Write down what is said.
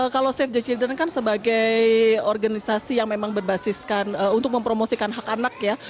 kalau safe ja children kan sebagai organisasi yang memang berbasiskan untuk mempromosikan hak anak ya